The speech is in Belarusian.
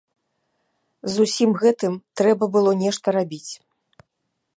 З усім гэтым трэба было нешта рабіць.